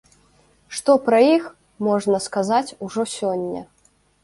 Што пра іх можна сказаць ужо сёння?